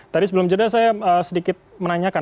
tadi sebelum jeda saya sedikit menanyakan